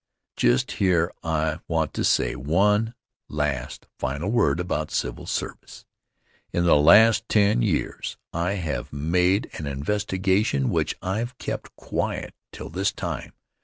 Just here I want to say one last final word about civil service. In the last ten years I have made an investigation which I've kept quiet till this time.